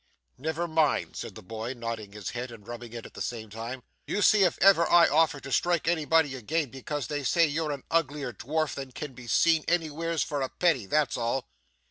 'Never mind,' said the boy, nodding his head and rubbing it at the same time; 'you see if ever I offer to strike anybody again because they say you're an uglier dwarf than can be seen anywheres for a penny, that's all.